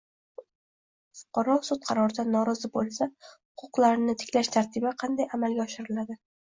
Fuqaro sud qaroridan norozi bo‘lsa, huquqlarini tiklash tartibi qanday amalga oshiriladi?